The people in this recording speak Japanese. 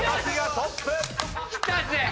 きたぜ！